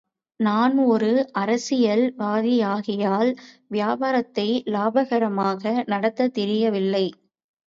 நான் ஒரு அரசியல்வாதியாகையால், வியாபாரத்தை லாபகரமாக நடத்தத் தெரியவில்லை.